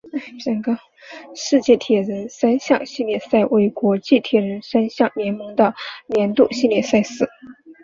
世界铁人三项系列赛为国际铁人三项联盟的年度系列赛事。